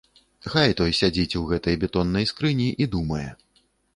Хай той сядзіць у гэтай бетоннай скрыні і думае.